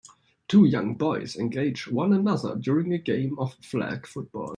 Two young boys engage one another during a game of flag football.